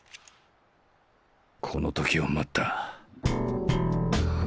この時を待った。